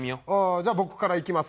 じゃあ僕からいきますから。